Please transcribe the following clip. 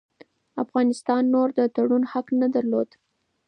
افغانستان نور د تړون حق نه درلود.